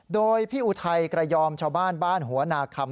โดยพี่อุทัยกระยอมชาวบ้านบ้านหัวนาคำ